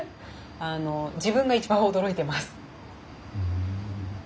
自分が一番驚いてます。